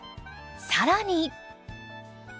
更に。